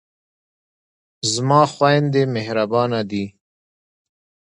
زما خویندې مهربانه دي.